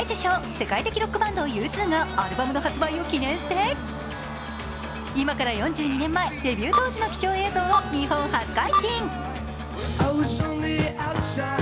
世界的ロックバンドＵ２がアルバムの発売を記念して今から４２年前、デビュー当時の貴重映像を日本初解禁。